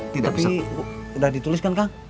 tapi udah ditulis kan kang